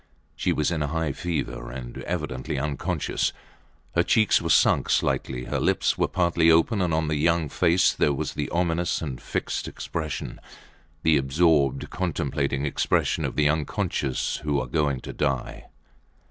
She was in a high fever, and evidently unconscious. Her cheeks were sunk slightly, her lips were partly open, and on the young face there was the ominous and fixed expression the absorbed, contemplating expression of the unconscious who are going to die.